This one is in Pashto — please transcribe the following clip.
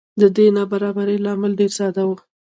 د دې نابرابرۍ لامل ډېره ساده و.